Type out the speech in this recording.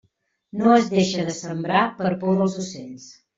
No es deixa de sembrar per por dels ocells.